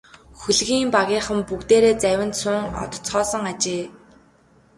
Хөлгийн багийнхан бүгдээрээ завинд суун одоцгоосон ажээ.